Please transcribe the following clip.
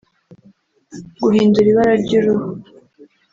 guhindura ibara ry’uruhu